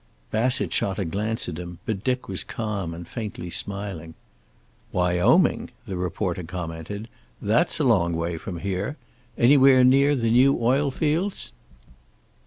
Bassett shot a glance at him, but Dick was calm and faintly smiling. "Wyoming!" the reporter commented. "That's a long way from here. Anywhere near the new oil fields?"